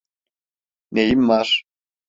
Neyim var?